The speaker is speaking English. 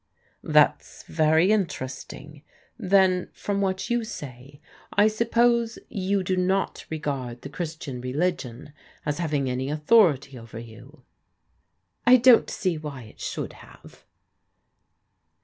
"That's very interesting. Then from what you say, I suppose you do not regard the Christian religion as having any authority over ynu ?" eo PEODIGAL DAUGHTERS " I don't see why it should have."